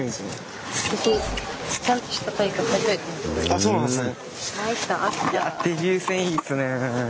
あそうなんですね。